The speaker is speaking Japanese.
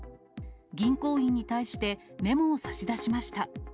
銀行員に対して、メモを差し出しました。